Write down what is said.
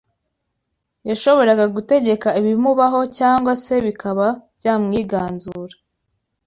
yashobora gutegeka ibimubaho cyangwa se bikaba byamwiganzura